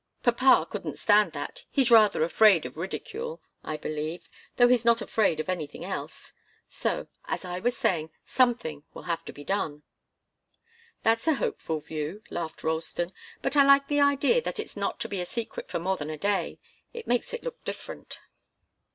Papa couldn't stand that he's rather afraid of ridicule, I believe, though he's not afraid of anything else. So, as I was saying, something will have to be done." "That's a hopeful view," laughed Ralston. "But I like the idea that it's not to be a secret for more than a day. It makes it look different."